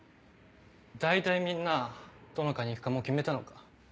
大体みんなどの科に行くかもう決めたのか？